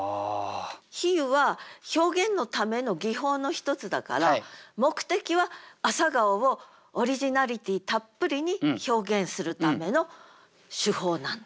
比喩は表現のための技法の一つだから目的は朝顔をオリジナリティたっぷりに表現するための手法なんだ。